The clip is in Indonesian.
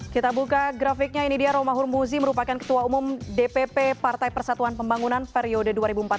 kita buka grafiknya ini dia romahur muzi merupakan ketua umum dpp partai persatuan pembangunan periode dua ribu empat belas dua ribu